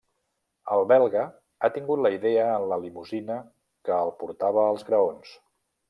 El belga ha tingut la idea en la limusina que el portava als graons.